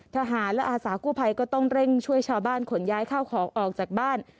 ทหารและอาสากู้ภัยก็ต้องเร่งช่วยชาวบ้านขนย้ายข้าวของออกจากบ้าน